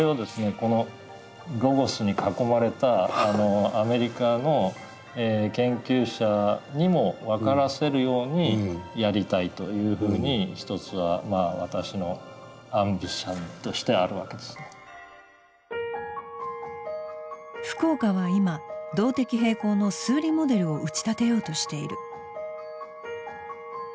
このロゴスに囲まれたアメリカの研究者にも分からせるようにやりたいというふうに一つはまあ福岡は今動的平衡の数理モデルを打ち立てようとしている。